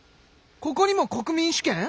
ここにも国民主権？